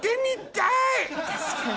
確かに。